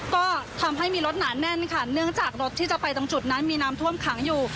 ก็ทำให้มีรถหนาแน่นค่ะเนื่องจากรถที่จะไปตรงจุดนั้นมีน้ำท่วมขังอยู่